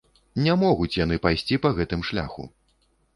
Не могуць яны пайсці па гэтым шляху.